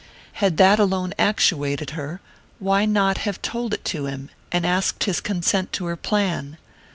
Had that alone actuated her, why not have told it to him, and asked his consent to her plan?